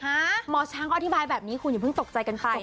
หมอช้างก็อธิบายแบบนี้คุณอย่าเพิ่งตกใจกันไป